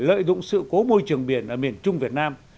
lợi dụng sự cố môi trường biển ở miền trung việt nam